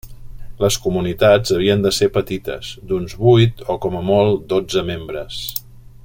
Les comunitats havien de ser petites, d'uns vuit o, com a molt, dotze membres.